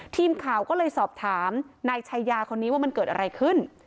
ทีมข่าวก็เลยสอบถามนายชายาคนนี้ว่ามันเกิดอะไรขึ้น